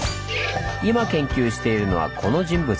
今研究しているのはこの人物。